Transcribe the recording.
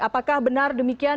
apakah benar demikian